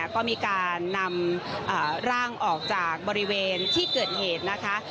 ก็มีการนำร่างออกจากบริเวณที่เกิดเหตุนะคะ